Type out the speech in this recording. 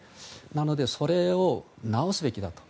なので、それを直すべきだと。